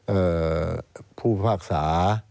เอ่อผู้พิพากษา